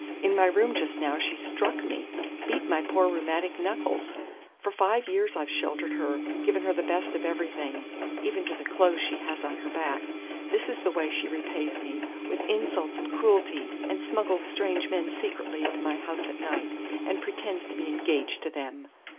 In my room just now she struck me beat my poor rheumatic knuckles! For five years I've sheltered her, given her the best of everything, even to the clothes she has on her back. This is the way she repays me with insults and cruelty, and smuggles strange men secretly into my house at night, and pretends to be engaged to them!"